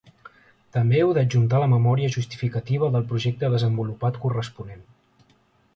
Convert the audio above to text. També heu d'adjuntar la memòria justificativa del projecte desenvolupat corresponent.